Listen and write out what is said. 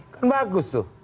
kan bagus tuh